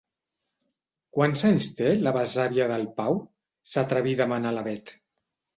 Quants anys té, la besàvia del Pau? —s'atreví a demanar la Bet.